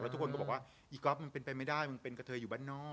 ทุกคนก็บอกว่าอีก๊อฟมันเป็นไปไม่ได้มันเป็นกระเทยอยู่บ้านนอก